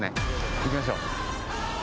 行きましょう。